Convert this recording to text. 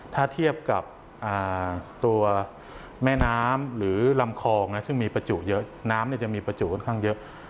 ถ้าเทียบกับตัวแม่น้ำหรือลำคลองซึ่งมีประจุเยอะน้ำจะมีประจุค่อนข้างเยอะ